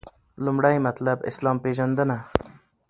لومړی مطلب : اسلام پیژندنه